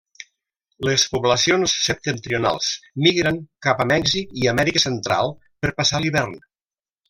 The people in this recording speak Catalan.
Les poblacions septentrionals migren cap a Mèxic i Amèrica Central per passar l'hivern.